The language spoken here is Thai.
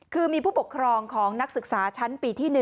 คือมีผู้ปกครองของนักศึกษาชั้นปีที่๑